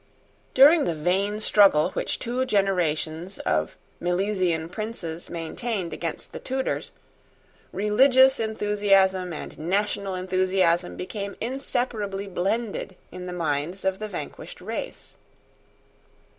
During the vain struggle which two generations of Milesian princes maintained against the Tudors, religious enthusiasm and national enthusiasm became inseparably blended in the minds of the vanquished race.